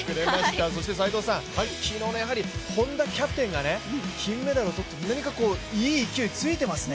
そして、昨日の本多キャプテンが金メダルをとって、何かいい勢いがついていますね。